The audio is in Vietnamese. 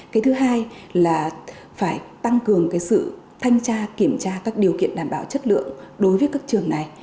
cái thứ hai là phải tăng cường sự thanh tra kiểm tra các điều kiện đảm bảo chất lượng đối với các trường này